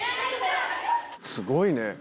すごいね！